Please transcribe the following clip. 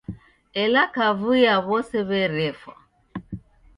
Ela kavui ya w'ose werefwa.